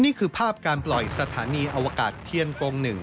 นี่คือภาพการปล่อยสถานีอวกาศเทียนกง๑